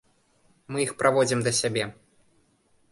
Мы іх праводзім для сябе.